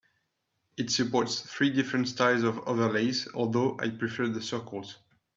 It supports three different styles of overlays, although I prefer the circles.